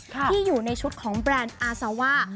ที่อยู่ในชุดของแบรนด์อาซาว่า